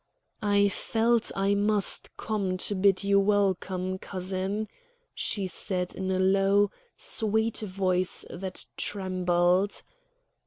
"I felt I must come to bid you welcome, cousin," she said in a low, sweet voice that trembled.